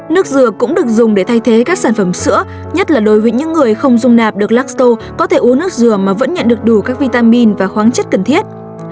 nước dừa cũng được dùng để thay thế các sản phẩm sữa nhất là đối với những người không dung nạp được lacto có thể uống nước dừa mà vẫn nhận được đủ các vitamin và khoáng chất cần thiết